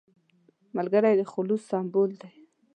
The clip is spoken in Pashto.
ملګری د خلوص سمبول دی